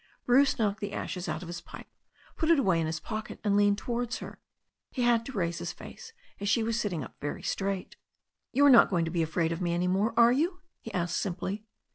Bruce knocked the ashes out of his pipe, put it away in his pocket, and leaned towards her. He had to raise his face, as she was sitting up very straight. "You are not going to be afraid of me any more, are you?" he asked simply.